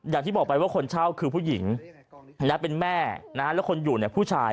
อย่างที่บอกไปว่าคนเช่าคือผู้หญิงเป็นแม่แล้วคนอยู่เนี่ยผู้ชาย